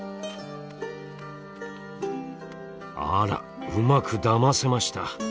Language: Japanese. あらうまくだませました。